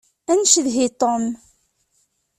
Ad ncedhi Tom.